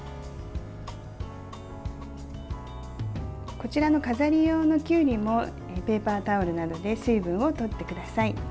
こちらの飾り用のきゅうりもペーパータオルなどで水分を取ってください。